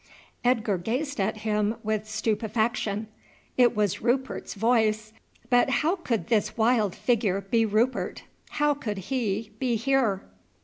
Edgar gazed at him with stupefaction. It was Rupert's voice; but how could this wild figure be Rupert? how could he be here?